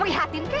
beri hatim kek